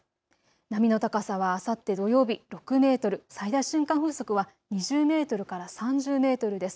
波の高さはあさって土曜日、６メートル、最大瞬間風速は２０メートルから３０メートルです。